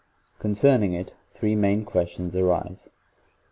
Concerning it three main ques tions arise.